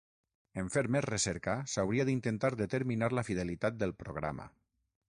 En fer més recerca, s'hauria d'intentar determinar la fidelitat del programa.